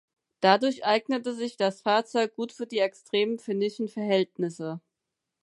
Dadurch eignete sich das Fahrzeug gut für die extremen finnischen Verhältnisse.